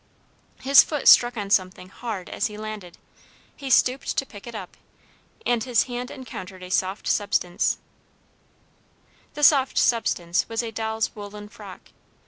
His foot struck on something hard as he landed. He stooped to pick it up, and his hand encountered a soft substance. He lifted both objects out together. The soft substance was a doll's woollen frock.